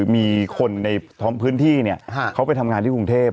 มีคนในท้องพื้นที่เขาไปทำงานที่กรุงเทพ